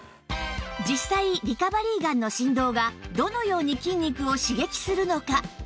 実際リカバリーガンの振動がどのように筋肉を刺激するのか？